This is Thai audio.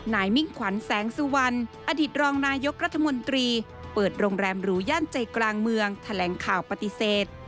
มิ่งขวัญแสงสุวรรณอดีตรองนายกรัฐมนตรีเปิดโรงแรมหรูย่านใจกลางเมืองแถลงข่าวปฏิเสธ